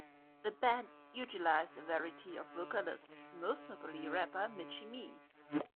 The band utilized a variety of vocalists, most notably rapper Michie Mee.